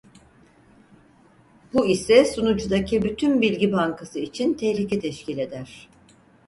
Bu ise sunucudaki bütün bilgi bankası için tehlike teşkil eder.